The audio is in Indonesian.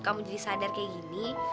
kamu jadi sadar kayak gini